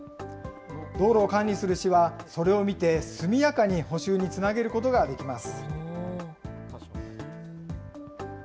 道路を管理する市は、それを見て速やかに補修につなげることができます。